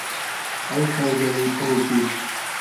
ئەی سەر زەوی پڕ و پووچ